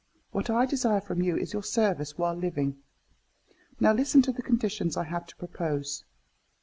What I desire from you is your service while living. Now listen to the conditions I have to propose.